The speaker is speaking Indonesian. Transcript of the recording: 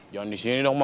jangan disini dong ma